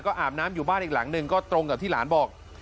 อาบน้ำอยู่บ้านอีกหลังหนึ่งก็ตรงกับที่หลานบอก